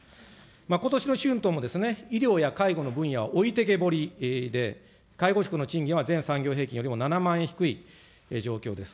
ことしの春闘も、医療や介護の分野は置いてけぼりで、介護職の賃金は全産業平均よりも７万円低い状況です。